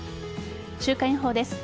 週間予報です。